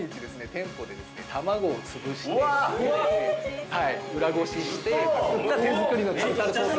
店舗でですね、玉子を潰して、裏ごしして作った手作りのタルタルソース。